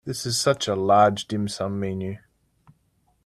This is such a large dim sum menu.